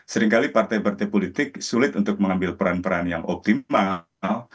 seringkali partai partai politik sulit untuk mengambil peran peran yang optimal